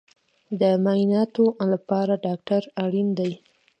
د معایناتو لپاره ډاکټر اړین دی